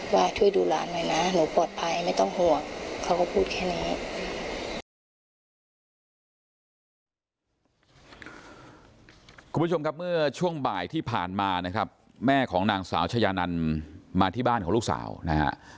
คุณผู้ชมครับเมื่อช่วงบ่ายที่ผ่านมานะครับแม่ของนางสาวชายานันมาที่บ้านของลูกสาวนะฮะ